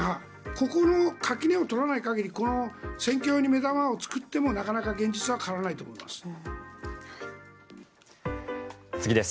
ここの垣根を取らない限りこの選挙用に目玉を作ってもなかなか現実は変わらないと思います。